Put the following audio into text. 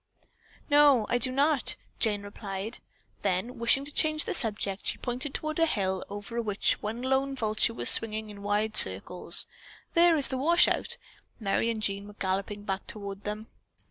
"No, I do not," Jane replied. Then wishing to change the subject, she pointed toward a hill over which one lone vulture was swinging in wide circles. "There is the washout!" Merry and Jean were galloping back toward them.